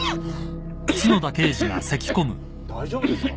大丈夫ですか？